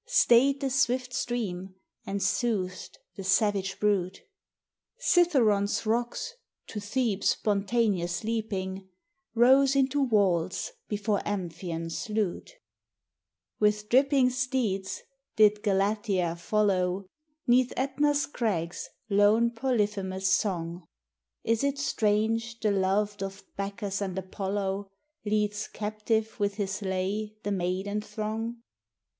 Stayed the swift stream and soothed the sai brute ; Cithffiron's rocks, to Thebes spontaneous leaping, Rose into walls before Amphion's Lute 358 POEMS OF SENTIMENT. With dripping steeds did Galatea follow, 'Neath ./Etna's crags, lone Poiyphemus's song: Is 't strange the loved of Bacchus and Apollo Leads captive with his lay the maiden throng?